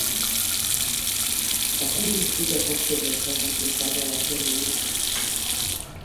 A Kuril-szigetek szovjet fennhatóság alá kerülnek.